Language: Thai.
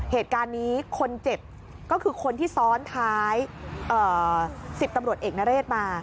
เหตุการณ์นี้คนเจ็บก็คือคนที่ซ้อนท้าย๑๐ตำรวจเอกนเรศมา